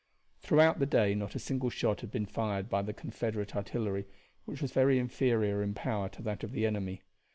Throughout the day not a single shot had been fired by the Confederate artillery, which was very inferior in power to that of the enemy.